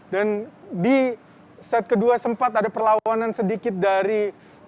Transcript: dan di set kedua sempat ada perlawanan sedikit dari pasangan